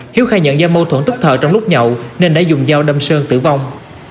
hiếu khai nhận do mâu thuẫn tức thời trong lúc nhậu nên đã dùng dao đâm sơn tử vong